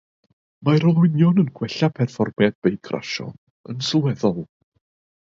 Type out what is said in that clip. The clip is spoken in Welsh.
Mae'r olwynion yn gwella perfformiad beic rasio'n sylweddol.